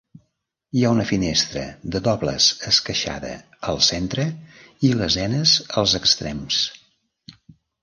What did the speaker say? Hi ha una finestra de dobles esqueixada al centre i lesenes als extrems.